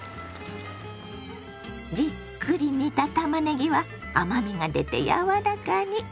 じっくり煮たたまねぎは甘みが出て柔らかに。